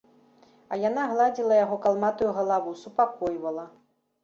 А яна гладзіла яго калматую галаву, супакойвала.